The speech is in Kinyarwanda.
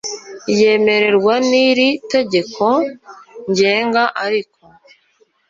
yemererwa n iri tegeko ngenga ariko